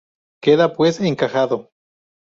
Queda, pues encajado.